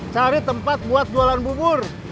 cari tempat buat jualan bubur